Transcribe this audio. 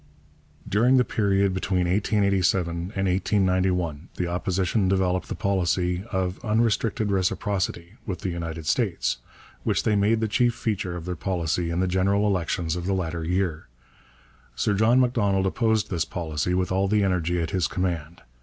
During the period between 1887 and 1891 the Opposition developed the policy of unrestricted reciprocity with the United States, which they made the chief feature of their policy in the general elections of the latter year. Sir John Macdonald opposed this policy with all the energy at his command.